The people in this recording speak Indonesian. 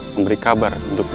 memberi kabar untukmu